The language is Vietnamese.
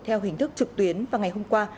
theo hình thức trực tuyến vào ngày hôm qua